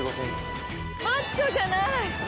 マッチョじゃない！